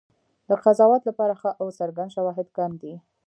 د قضاوت لپاره ښه او څرګند شواهد کم دي.